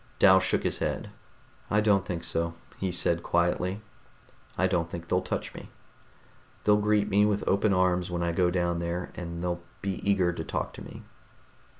Dal shook his head. "I don't think so," he said quietly. "I don't think they'll touch me. They'll greet me with open arms when I go down there, and they'll be eager to talk to me."